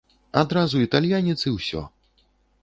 Адразу італьянец і ўсё.